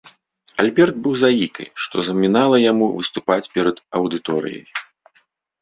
Альберт быў заікай, што замінала яму выступаць перад аўдыторыяй.